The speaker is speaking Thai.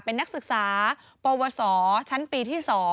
เป็นนักศึกษาปวสชั้นปีที่๒